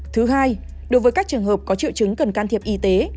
thứ hai đối với các trường hợp có triệu chứng cần can thiệp y tế